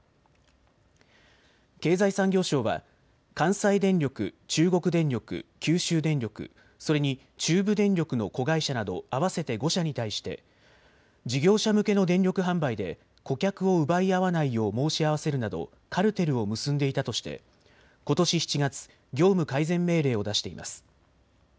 経済産業省は関西電力、中国電力、九州電力、それに中部電力の子会社など合わせて５社に対して事業者向けの電力販売で顧客を奪い合わないよう申し合わせるなどカルテルを結んでいたとしてことし７月、業務改善命令を出しています。